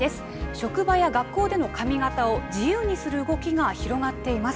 職場や学校での髪形を自由にする動きが広がっています。